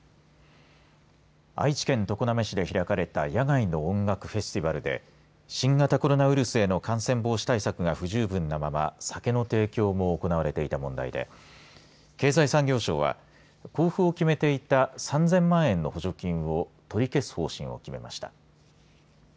愛知県常滑市で開かれた野外の音楽フェスティバルで新型コロナウイルスへの感染防止対策が不十分なまま酒の提供も行われていた問題で経済産業省は交付を決めていた３０００万円の補助金を取り消す方針を決めました。